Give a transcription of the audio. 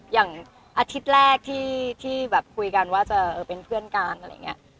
อย่างอาทิตย์แรกที่แบบคุยกันว่าจะเป็นเพื่อนกันอะไรอย่างนี้